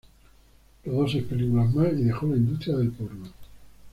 Rodó seis películas más y dejó la industria del porno.